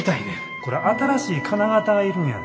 これ新しい金型が要るんやで。